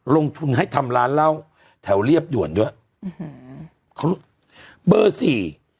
ลงทุนให้ทำร้านเหล้าแถวเรียบด่วนด้วยอืมเขาเบอร์สี่